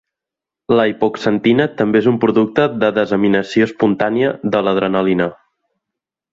La hipoxantina també és un producte de desaminació espontània de l'adrenalina.